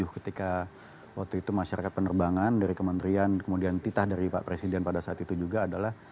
ketika waktu itu masyarakat penerbangan dari kementerian kemudian titah dari pak presiden pada saat itu juga adalah